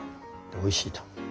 でおいしいと。